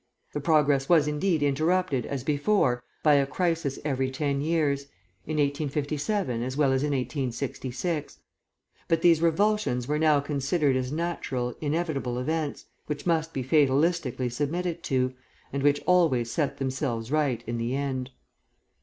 The progress was indeed interrupted, as before, by a crisis every ten years, in 1857 as well as in 1866; but these revulsions were now considered as natural, inevitable events, which must be fatalistically submitted to, and which always set themselves right in the end.